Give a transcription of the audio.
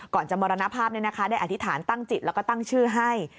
ก่อนจะมรณภาพได้อธิษฐานตั้งจิตแล้วก็ตั้งชื่อให้